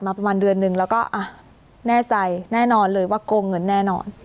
ประมาณเดือนนึงแล้วก็อ่ะแน่ใจแน่นอนเลยว่าโกงเงินแน่นอน